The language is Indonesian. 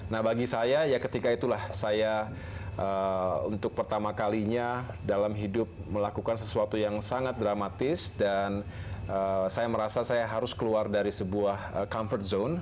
nah bagi saya ya ketika itulah saya untuk pertama kalinya dalam hidup melakukan sesuatu yang sangat dramatis dan saya merasa saya harus keluar dari sebuah comfort zone